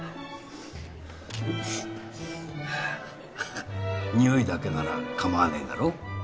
ハハにおいだけなら構わねえだろ？